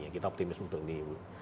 kita optimis untuk ini